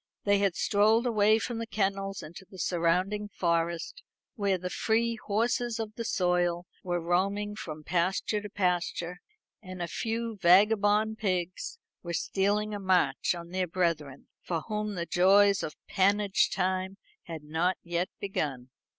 They had strolled away from the kennels into the surrounding forest, where the free horses of the soil were roaming from pasture to pasture, and a few vagabond pigs were stealing a march on their brethren, for whom the joys of pannage time had not yet begun.